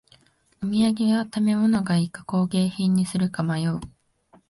お土産は食べ物がいいか工芸品にするか迷う